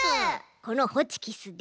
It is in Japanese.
このホチキスで。